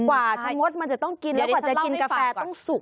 กว่าชะมดมันจะต้องกินแล้วกว่าจะกินกาแฟต้องสุก